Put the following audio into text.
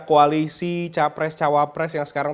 koalisi cawapres yang sekarang